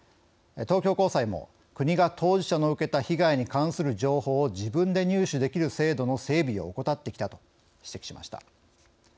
東京高裁も、国が当事者の受けた被害に関する情報を自分で入手できる制度の整備を怠ってきたと指摘しました。